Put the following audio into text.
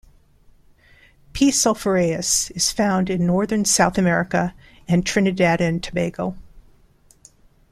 "P. sulphureus" is found in northern South America and Trinidad and Tobago.